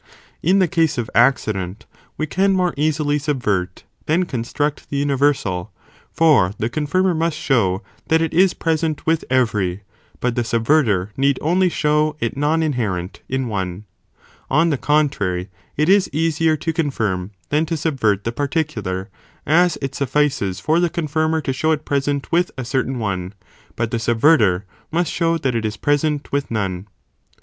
In the case of accident, we can more easily sub . ς saont ;.᾿ ent, if vert, than construct the universal, for the con universal, more firmer must show that it is present with every, οὐ y,cubret but the subverter need only show it non inherent | lar, more easily in one. On the contrary, it is easier to confirm, eon trmet: than to subvert the particular, as it suffices for the confirmer to show it present with a certain one, but the subverter must show that it is present with none.